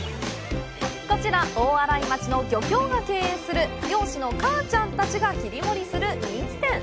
こちら、大洗町の漁協が経営する漁師のかあちゃんたちが切り盛りする人気店。